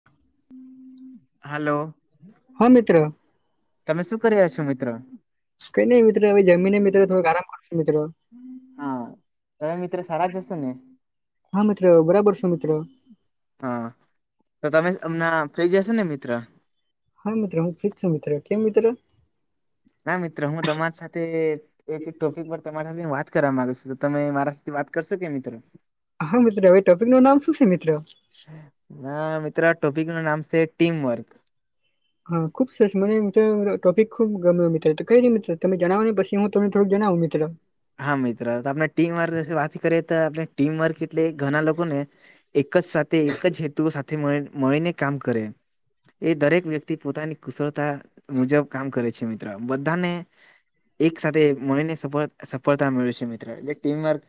[inaudible] હાલો હા મિત્ર તમે શું કર્યા છો મિત્રો? કઈ નઈ મિત્ર હવે જમીને મિત્ર થોડોક આરામ કરું છું મિત્ર. હા તમે મિત્ર સારા જ હશો ને? હા મિત્ર બરાબર છું મિત્ર હા તો તમે અમના ફ્રી જ હશો ને મિત્ર? હા મિત્ર મું ફ્રી જ છું મિત્ર કેમ મિત્ર? ના મિત્ર હું તમારી સાથે એક એક ટોપિક ઉપર તમારા સાથે વાત કરવા માંગું શું તો તમે મારા સાથે વાત કરશો કે મિત્રો? હા મિત્રો એ ટોપિક નું નામ શું છે મિત્ર? હા મિત્ર આ ટોપિક નું નામ છે ટીમ વર્ક. હા ખુબ સરસ મને મિત્ર ટોપિક ખુબ ગમ્યો મિત્ર કઈ ની મિત્ર તમે જણાવો ને પછી હું તમને થોડક જણાવું મિત્ર હા મિત્ર તો આપણે ટીમ વર્ક વાત કરે તો આપણે ટીમ વર્ક એટલે ઘણા લોકોને એક જ સાથે એક જ હેતુઓ સાથે મળીને કામ કરે એ દરેક વ્યક્તિ પોતાની કુશળતા મુજબ કામ કરે છે મી ત્ર બધાને એક સાથે મળીને સફ સફળતા મળે છે મિ ત્ર એ ટીમ વર્ક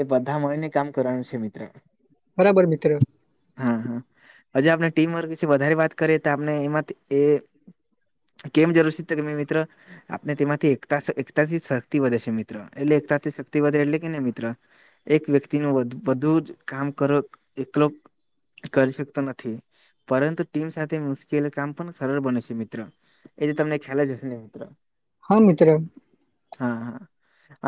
એ બધા મળીને કામ કરવાનું છે મિત્ર બરાબર મિત્ર હા હા હજી આપણે ટીમ વર્ક વિશે વધારે વાત કરીએ તો આપણે એમાંથી એ કેમ જરૂર છે તો મિત્ર આપને તેમાંથી એકતા સ એકતાથી શક્તિ વધે છે મિ ત્ર એટલે એકતાથી શક્તિ વધે એટલે કે ને મિત્ર એક વ્યક્તિનું બધુ જ કામ કરો એકલો કરી શકતો નથી. પરંતુ ટીમ સાથે મુશ્કેલ કામ પણ સરળ બને છે મિત્ર, એ તો તમને ખ્યાલ જ હશે ને મિત્ર હા મિત્ર હા હા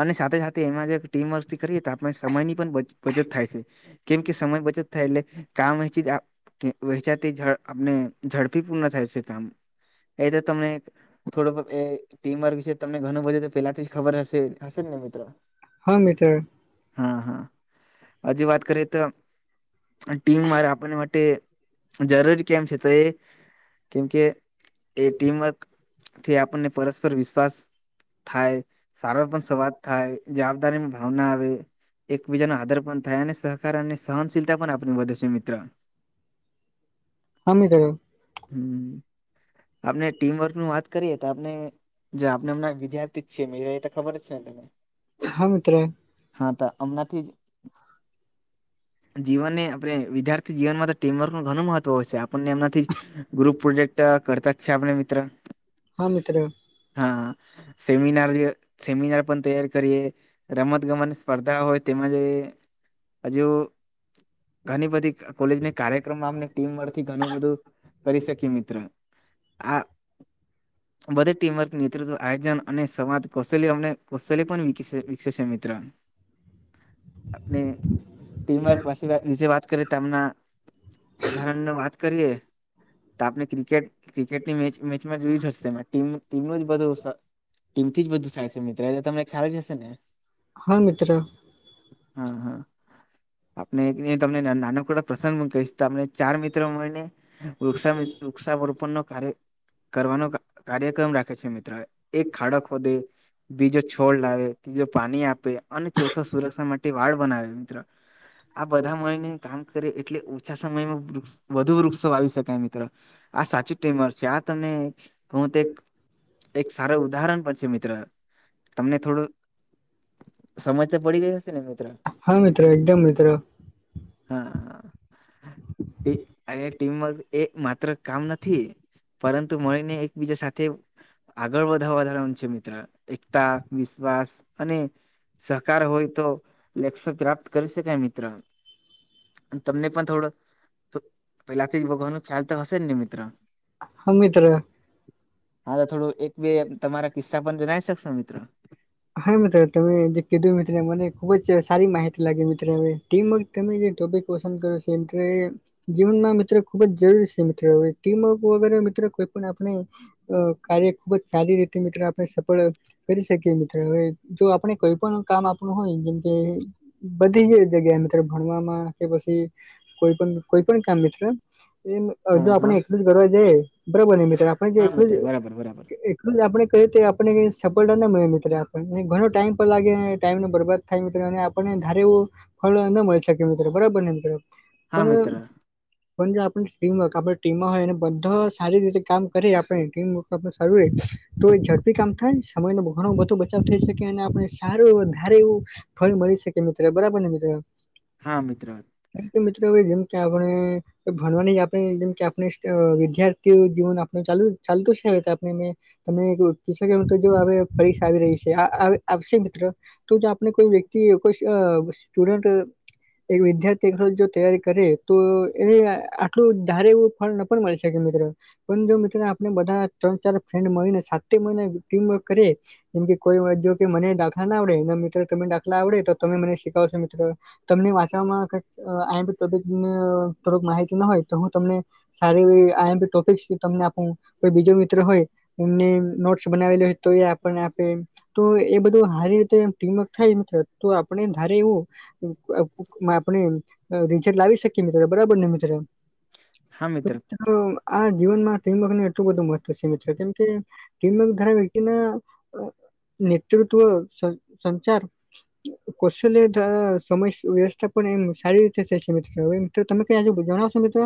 અને સાથે સાથે એમાં જે ટીમ વર્કથી કરીએ આપણે સમયની પણ બચત થાય છે કેમ કે સમય બચત થાય એટલે કામ વહેંચી જાય કે વહેચાતી ઝડપ આપને ઝડપી પૂર્ણ થાય છે કામ, એ તો તમને થોડું એ ટીમવર્ક તમને ઘણું બધું પેલાથી ખબર જ હશે હશેને મિત્ર હા મિત્ર હા હા હજી વાત કરીએ તો ટીમ મારે આપને માટે જરૂરી કેમ છે તો એ કેમકે એ ટીમવર્કથી આપણને પરસ્પર વિશ્વાસ થાય સારો પણ સવાદ થાય જવાબદારીની ભાવના આવે, એકબીજાના આદર પણ થાય અને [unintelligible] સહનશીલતા પણ આપને વધે છે મિત્ર [unintelligible] [unintelligible] હમ આપને ટીમવર્કનું વાત કરીએ તો આપને જે આપણેમ વિદ્યાર્થી જ છી મ તો ખબર જ ને તને હા મિત્ર હા તો હમણાથી આપણે વિદ્યાર્થી જીવનમાં તો ટીમવર્કનું ઘણું મહત્વ હોય છે આપ એમનાથી ગ્રુપ પ્રોજેક્ટ કરતા જ છે આપણે મિત્ર હા મિત્ર હા સેમિનાર સેમિનાર પણ તૈયાર કરીએ, રમતગમત સ્પર્ધા હોય તેમજ હજુ ઘણી બધી કોલેજની કાર્યક્રમમાંમ ટીમમાંથી ઘણું બધું કરી શકી મિત્ર આ વધે ટીમવર્ક નેતૃત્વ, આયોજન અને સવાદ કોસેલી અમને કોસેલી પણ વિકસે છે મિત્ર આપ ટીમવર્ક પા વાત કરીએના ઉદાહરણને વાત કરીયે તો આપણે ક્રિકેટ ક્રિકેટની મે મેચમાં જોયું જ હશે ટી ટીમનું જ બધું થી જ બધું થાય છે મિત્રો એ તને ખ્યાલ જશે ને, હા મિત્ર હા હા આપણે તમને નાનકડો પ્રસંગ પણ કહીશ, તમને ચાર મિત્રો મળીને વૃક્ષા- વૃક્ષાવરોપણ નો કાર્ય કરવાનો કાર્યક્રમ રાખે છે મિત્ર એક ખાડો ખોદે બીજો છોડ લાવે ત્રીજો પાણી આપે અને ચોથો સુરક્ષા માટે વાળ બનાવે મિત્ર આ બધા મળીને કામ કરે એટલે ઓછા સમયમાં વૃક્ષ વધુ વૃક્ષો વાવી શકાય મિત્ર આ સાચી ટીમર છે આ તમે હુ તો એક એક સારા ઉદાહરણ બન છે મિત્ર તમને થોડું સમજ તો પડી ગય હશે ને મિત્ર હા મિત્ર એકદમ મિત્ર હા એ અયા ટીમવર્ક એ માત્ર કામ નથી પરંતુ મળીને એકબીજા સાથે આગળ વધા વધારવાનુ છે મિત્ર એકતા વિશ્વાસ અને સહકાર હોય તો લક્ષ્ય પ્રાપ્ત કરી શકાય મિત્ર તમને પણ થોડો તો પેલાથી જ ભગવાનો ખ્યાલ તો હશે ને મિત્ર હા મિત્ર હા તો થોડું એક બે તમારા કિસ્સા પણ જણાઈ શકશો મિત્ર હા મિત્ર તમે જે કીધું એ મિત્ર મને ખુબ જ સારી માહિતી લાગી મિત્ર હવે ટીમ વક તમે જે ટોપિક પસંદ કરો શ એમકે જીવનમાં મિત્ર ખુબ જ જરૂરી છે મિત્ર હવે ટીમવર્ક વગરે મિત્ર કોઈ પણ આપણે અ કાર્ય ખુબ જ સારી રીતે મિત્ર આપણે સફળ કરી શકીએ મિ હવે જો આપણે કોઈ પણ કામ આપણું હોય જેમકે બધી જ જગ્યાએ મિત્ર ભણવા માં કે પછી કોઈ પણ કોઈ પણ કામ મિત્ર એમ અ જો હા હા આપણે એટલું જ કરવા જયે બરાબર ને મિત્ર આપણે જો હા એટલું મિત્ર જ બરાબર બરાબર એ ટલુ જ આપણે કરીએ તો આપણે કંઈ સફળતા ના મળે મિત્ર ઘણો ટાઈમ પણ લાગે ટાઈમ નો બરબાદ થાય મિત્ર અને આપણને ધારે એવું ફળ ન મળી શકે મિત્ર બરાબર ને મિત્ર હા મિત્ર પણ પણ જો આપણ ટીમવર્ક આપ ટીમ હોય ને બધા સારી રીતે કામ કરે આપે ટીમ તો આપણ સારુ રે તો ઝડપી કામ થાય ન સમય નો ઘણો બધો વ થય શકે અને આપને સારું એવુ વધારે એવું ફળ મળી શકે મિત્ર બરાબર ને મિત્ર હા મિત્ર કેમ કે મિત્ર હવે જેમ કે આપણે ભણવાની આપણે જેમ કે આપણે વિદ્યાર્થી જીવન આપણુ ચાલુ ચાલતું છે મિત્ર આપણે ને તમે કોઈ પૂછે કે મિત્ર જો આપડે પરીક્ષા આવી રહી છ એ આ આ આવશે મિત્ર તો જો આપને કોઈ વ્યક્તિ કોઈ સ સ્ટુડન્ટ એ વિદ્યાર્થી જો તૈયારી કરે તો એને આટલું ધારે એવું ફળ ન પણ મળી શકે મિત્ર પણ જો મિત્ર આપણે બધા ત્રણ ચાર ફ્રેન્ડ મળીને સાથે મહિને ટીમવર્ક કરીએ જેમ કે કોઈ વાર જો કે મને દાખલા ના આવડે અને મિત્ર તને દાખલા આવડે તો તમે મને શીખાવશો મિત્ર તમને વાંચવામાં કંઈક આઈએમપી ટોપિક નુ થોડુક માહિતી ન હોય તો હું તમને સારી એવી આઈએમપી ટોપિકસ હુ તમને આપું કોઈ બીજો મિત્ર હોય એમને નોટસ બનાવેલી હોય તો એ આપને આપે તો એ બધું હારી રીતે ટીમવર્ક થાય મિત્ર તો આપણે ધારે એવું તો મા આપણે રિઝલ્ટ લાવી શકીએ મિત્ર બરાબર ને મિત્ર હા મિત્ર તો આ જીવનમાં ટીમવર્કને એટલું બધું મહત્વ છે મિત્ર કેમકે ટીમવર્ક ધારો વ્યક્તિના અ નેતૃત્વ સ સંચાર કૌશલ્ય તા સમય વ્યવસ્થા પણ એમ સારી રીતે થાય છે મિત્ર એમ તો તમે ક્યાં હજુ જણાવશો મિત્ર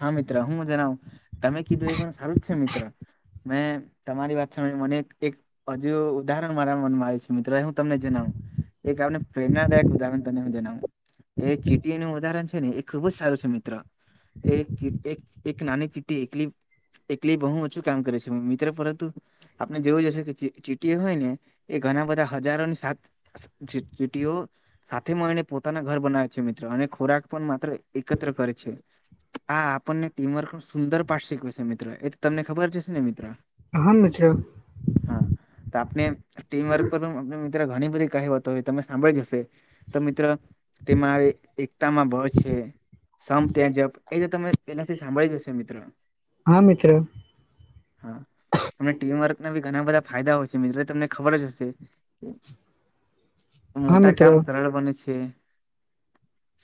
હા મિત્ર હું જણાવું તમે કીધું એ પણ સારું જ છે મિત્ર, મેં તમારી વાત સામે એક હજુ ઉદાહરણ મારા મનમાં આવે છે. મિત્રય હું તમને જણાવું એક આપને પ્રેરણાના દાકય ઉદાહરણ તને હું જવાનું એ ચીટીનું ઉદાહરણ ને એ ખુબ જ સારી છે મિત્ર નાની ચીટી એકલી એટલે બહુ ઓછું કામ કરે છે મિત્ર પરંતુ આપણે જેવું જશે કે ચીટીએ હોય ને એ ઘણા બધા હજારોની સાત ચીટીઓ સાથે મળીને પોતાના ઘર બનાવે છે મિત્ર અને ખોરાક પણ માત્ર એકત્ર કરે છે. હા આપણને ટીમવર્ક પણ સુંદર પાઠ શીખવે છે મિત્ર એ તમને ખબર શે ને મિત્ર, હા મિત્ર, હા તો આપણે ટીમ વર્ક પર મિત્ર ઘણી બધી કહિવતો હોય તમે સાંભળી જ હશે. તો મિત્રો તેમાં હવે એકતામાં બળ છે. સંપ ત્યાં જપ એ તો તમે સાંભળી જ હશે મિત્ર, હા મિત્ર, હા તમને ટીમવર્કના બી ઘણા બધા ફાયદા હોય છે મિત્રો તમને ખબર જ હશે. [unintelligible] [inaudible] હા મોટા મિત્ર કામ સરળ બને છે,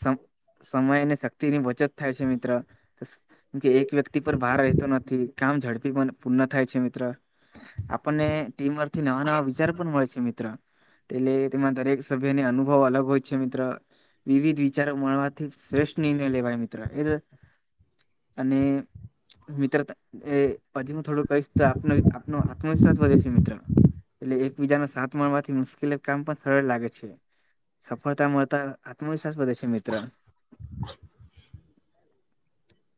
સમ સમય અને શક્તિની બચત થાય છે મિત્ર કે એક વ્યક્તિ પર ભાર રહેતો નથી, કામ ઝડપી પણ પૂર્ણ થાય છે મિત્ર, આપણને ટીમથી નવા નવા વિચાર પણ મળે છે મિત્ર, એટલે તેમાં દરેક સભ્યને અનુભવ અલગ હોય છે મિત્ર, વિવિધ વિચારો મળવાથી શ્રેષ્ઠ નિર્ણય લેવાય મિત્ર, અને મિત્ર એ હજી હું થોડું કહીશ તો આપ આપો આત્મવિશ્વાસ વધે છે મિત્ર, એટલે એકબીજાને સાથ મળવાથી મુશ્કેલ કામ પણ સરળ લાગે છે, સફળતા મળતા આત્મવિશ્વાસ વધે છે મિત્ર, [inaudible]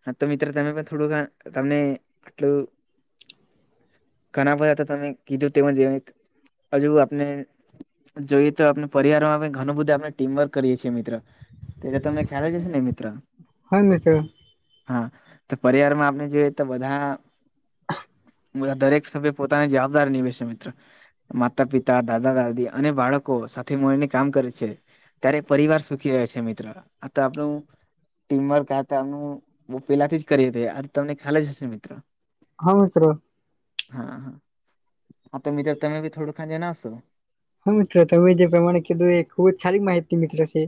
હા તો મિત્ર તમે પણ થોડું તમને આટલું ઘણા બધા હતા તમે કીધું તે હજુ આપને જોઈએ તો આપ પરિવારમાં આપ ઘણું બધું આપણે ટીમવર્ક કરીએ છીએ મિત્ર, એટલે તમને ખ્યાલ જ હશે ને મિત્ર, હા મિત્ર, હા તો પરિવારમાં આપણે જોઈએ તો બધા દરેક સભ્ય પો ત જવાબદારી નિવેેશ મિત્ર માતા પિતા, દાદા દાદી. અને બાળકો સાથે મળીને કામ કરે છે. ત્યારે પરિવાર સુખી રહે છે મિત્ર આ તો આપણું ટીમ વર્ક આ હતા બહુ પેલાથી કરી હતી આ તમને ખ્યાલે હશેને મિત્ર, હા મિત્ર, હા હા તો બી તમે બી થોડું ખાં જ નાશો. હા મિત્ર તમે જે પ્રમાણે કીધું એ ખુબ જ સારી માહિતી મિત્ર છે.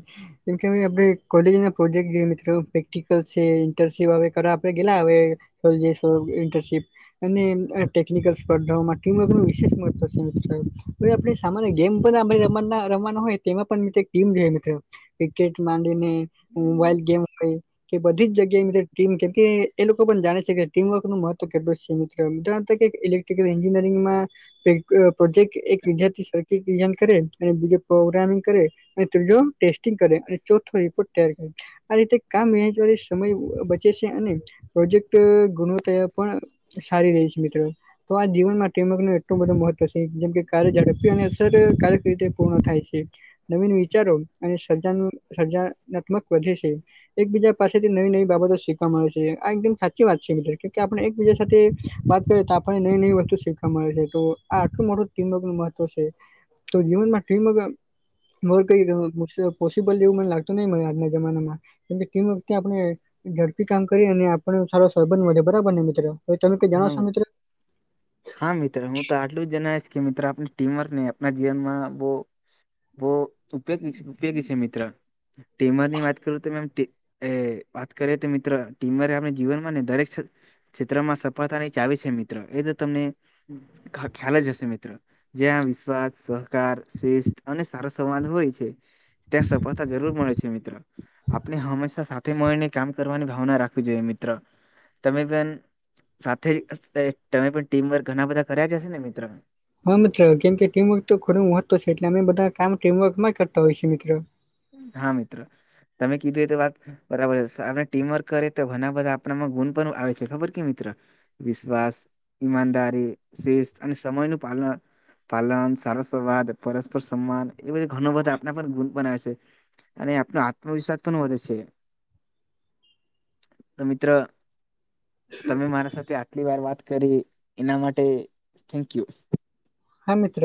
કેમ કે આપણે કોલેજના પ્રોજેક મિત્રો પ્રેટિકલ છે, ઇન્ટર્નશિપ આવે કરે આવે ઇન્ટર્નશિપ અને ટેકનિકલ સ્પર્ધાઓ વિશેષ મહત્વ છે મિત્ર, [unintelligible] સામા ગેમ પણ આપ રવા રમવાનો હોય મિત્ર એક ટીમ જોઈ મિત્ર, ક્રિકેટ માંડીને મોબાઈલ ગેમ હોય. કે બધી જગ્યાએ મ ટીમ કેમ કે એ લોકો પણ જાણે છે કે ટીમવર્ક મહત્વ છે મિત્ર. એન્જિનયરિંગમાં પ્રોજેક્ટ એક વિદ્યાર્થી પ્રોગ્રામિંગ કરે અને ત્રીજો ટેસ્ટિંગ કરે. ચોથો રિપોર્ટ તૈયાર કરી આ રીતે કામ મે સમય બચે છે અને પ્રોજેક્ટ ગુણવત્ પણ સારી રહી છે મિત્રો. તો આ જીવનમાં ન એટલું બધો મહત્વ છે જેમ કે કાર્ય ઝડપ કારક રીતે પૂર્ણ થાય છે. નવીન વિચારો અને સજ સર્જનાત્મક વધે છે એકબીજા પાસેથી નવીન બાબતો શીખવાવામાંે છે આ એકદમ સાચી વાત છે મિત્રો કે આપણે એકબીજા સાથે. વાત કરીએ તો આપણને નવી નવી વસ્તુ શીખવાવામાંે છે તો આટલું મોટું ટિબક ન તો જીવનમાં ટમગર મર કઈ પોસિબલ જેવું મને લાગતું નહી મ આજના જમાનામાં કે કેમું કે આપણે ઝડપી કામ કરી અને આપણને સારો સબંધ મળે બરાબર ને મિત્રો હવે તમે કઈ જણોિત. [inaudible] હા મિત્ર હું તો આટલું જણાવશ કે મિત્ર આપ ટીમર ને આપ જીવનમાં બહ બહ ઉપયોગ ઉપયોગી છે મિત્ર ટીમરની વાત કરું તો. એ વાત કરીએ તો મિત્ર ટીમરે આપણે જીવનમાં ને દરેક ક્ષેત્રમાં સફળતાની ચાવ છે મિત્ર એ તો તમને ખ્યાલ જ હશે મિત્ર. જ્યાં વિશ્વાસ સહકાર શ્રેષ્ઠ અને સારો સંવાદ હોય છે. ત્યાં સ કથ જરૂર મળે છે મિત્ર. આપણે હંમેશા સાથે મળીને કામ કરવાની ભાવના રાખવી જોઈએ મિત્ર. તમે પણ સાથે જ તમે પણ ટીમ વર્ક ઘણા બધા કર્યા જશે ને મિત્રો. હા મિત્રો કેમ કે ટીમવર્ક તો ખોું મહત્વ છે એટલે અમે બધા કામ ટીમવર્ક માં કરતા હોયી મિત્રો. હા મિત્રો તમે કીધું એ તો વાત. બરાબર આપણે ટીમવર્ક કરીએ તો ઘણા બધા આપણામાં ગુણ પણ આવે છે ખબર કે મિત્ર. વિશ્વાસ ઈમાદારી શિસ્ત અને સમય નું પાલન પાલન સારા સંવાદ પરસ્પર સન્માન બધ ઘણો બધા પણ ગુલ બનાવે છે અને આપનો આત્મવિશ્વાસ પણ વધે છે. તો મિત્ર તમે મારા સાથે આટલી વાર વાત કરી એના માટે થેન્ક યુ હા મિત્ર